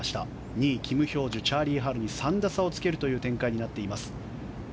２位、キム・ヒョージュチャーリー・ハルに３打差をつけるという展開になっています。